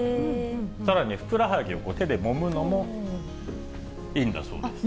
さらにふくらはぎを手でもむのもいいんだそうです。